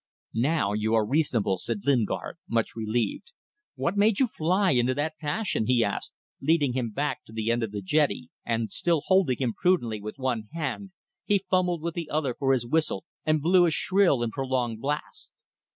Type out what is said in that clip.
"Now you are reasonable," said Lingard, much relieved. "What made you fly into that passion?" he asked, leading him back to the end of the jetty, and, still holding him prudently with one hand, he fumbled with the other for his whistle and blew a shrill and prolonged blast.